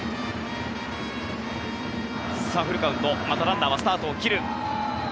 フルカウントまたランナーはスタートを切る。